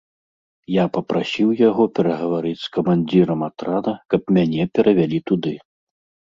Я папрасіў яго перагаварыць з камандзірам атрада, каб мяне перавялі туды.